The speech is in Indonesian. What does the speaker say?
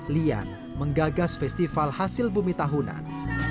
lian menggagas festival hasil bumi tahunan